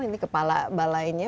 ini kepala balainya